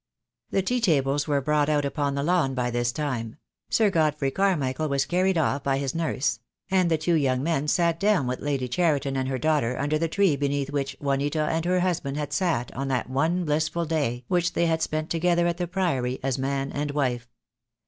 104 THE DAY WILL C0ME The tea tables were brought out upon the lawn by this time; Sir Godfrey Carmichael was carried off by his nurse; and the two young men sat down with Lady Cheriton and her daughter under the tree beneath which Juanita and her husband had sat on that one blissful day which they had spent together at the Priory as man and wife.